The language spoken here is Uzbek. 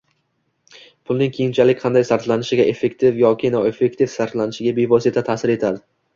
pulning keyinchalik qanday sarflanishiga, effektiv yoki noeffektiv sarflanishiga bevosita taʼsir etadi.